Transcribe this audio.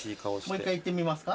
もう一回いってみますか？